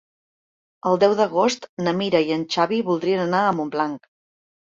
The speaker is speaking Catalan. El deu d'agost na Mira i en Xavi voldrien anar a Montblanc.